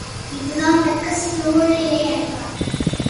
இதுதான் தக்க சூழ்நிலை என்றான்.